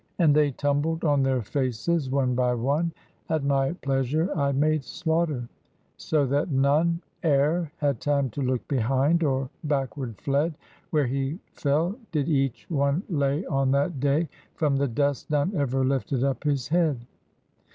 And they tumbled on their faces, one by one, At my pleasure I made slaughter. So that none 159 EGYPT E'er had time to look behind, or backward fled; Where he fell, did each one lay On that day, From the dust none ever Hfted up his head.